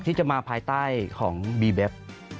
ที่จะมาภายใต้ของบีเบ็บ